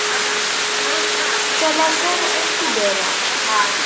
Tettalaseḍ ad k-t-id-rreɣ.